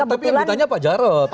tapi yang ditanya pak jarod